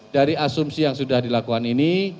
kecepatan yang dilakukan ini